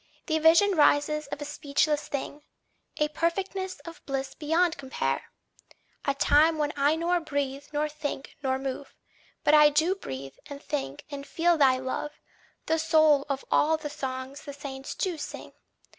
The vision rises of a speechless thing, A perfectness of bliss beyond compare! A time when I nor breathe nor think nor move, But I do breathe and think and feel thy love, The soul of all the songs the saints do sing!